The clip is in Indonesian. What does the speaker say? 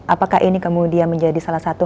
apakah ini kemudian menjadi salah satu